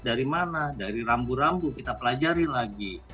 dari mana dari rambu rambu kita pelajari lagi